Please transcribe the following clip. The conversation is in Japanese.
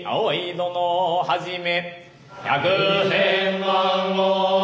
殿をはじめ。